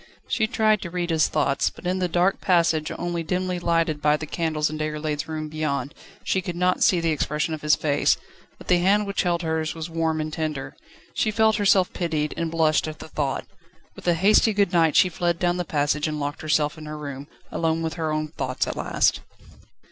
She tried to read his thoughts, but in the dark passage, only dimly lighted by the candles in Déroulède's room beyond, she could not see the expression of his face, but the hand which held hers was warm and tender. She felt herself pitied, and blushed at the thought. With a hasty good night she fled down the passage, and locked herself in her room, alone with her own thoughts at last.